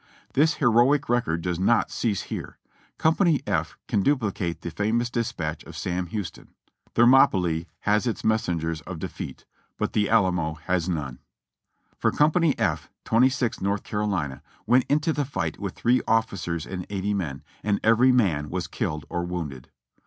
This heroic record does not cease here: Company F can duplicate the famous dispatch of Sam Houston : "Thermopylae has its messengers of defeat, but the Alamo has none ;" for Company F, Twenty sixth North Carolina, went into the fight with three officers and eighty men, and every man was killed or wounded.